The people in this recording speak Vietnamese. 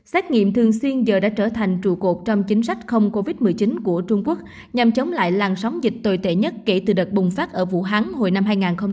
xét nghiệm thường xuyên giờ đã trở thành trụ cột trong chính sách không covid một mươi chín của trung quốc nhằm chống lại làn sóng dịch tồi tệ nhất kể từ đợt bùng phát ở vũ hán hồi năm hai nghìn hai mươi